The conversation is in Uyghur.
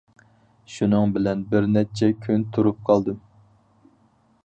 شۇنىڭ بىلەن بىر نەچچە كۈن تۇرۇپ قالدىم.